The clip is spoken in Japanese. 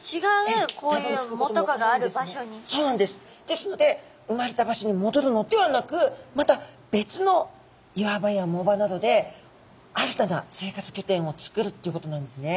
ですのでうまれた場所にもどるのではなくまた別の岩場や藻場などで新たな生活きょてんを作るっていうことなんですね。